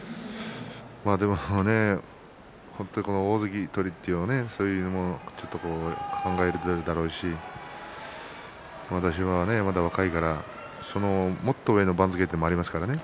でもね、本当に大関取りというそういうものを考えていると思いますしまだ若いからもっと上の番付がありますからね